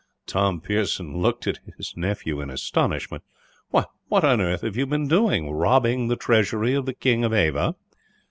Tom Pearson looked at him in astonishment. "Why, what on earth have you been doing robbing the treasury of the King of Ava?"